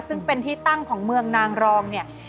ซึ่งเป็นที่ตั้งของเมืองนางรองเนี่ย